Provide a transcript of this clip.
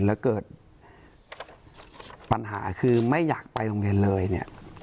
แล้วเกิดปัญหาคือไม่อยากไปโรงเรียนเลยเนี่ย